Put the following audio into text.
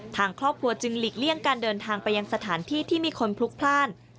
ทางครอบครัวจึงหลีกเลี่ยงการเดินทางไปยังสถานที่ที่มีคนพลุกพลาด